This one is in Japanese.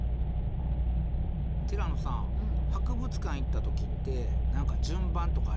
ティラノさん博物館行った時って何か順番とかあります？